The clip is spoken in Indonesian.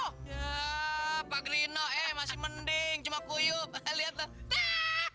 ya pak grino eh masih mending cuma kuyuk lihat tuh